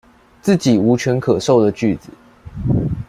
自己無權可授的句子